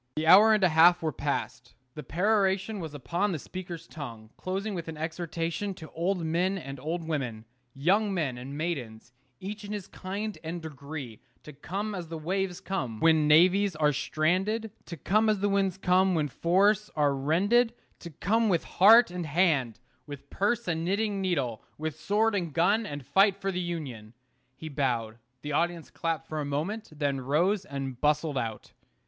The hour and a half were passed. The peroration was upon the speaker's tongue, closing with an exhortation to old men and old women, young men and maidens, each in his kind and degree, to come as the waves come when navies are stranded to come as the winds come when forests are rended to come with heart and hand, with purse and knitting needle, with sword and gun, and fight for the Union. He bowed: the audience clapped for a moment, then rose and bustled out.